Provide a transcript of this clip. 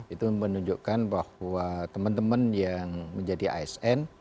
itu menunjukkan bahwa teman teman yang menjadi asn